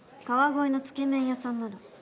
川越のつけ麺屋さんなら。